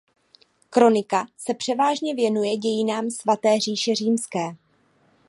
Kronika se převážně věnuje dějinám Svaté říše římské.